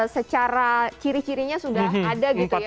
secara ciri cirinya sudah ada gitu ya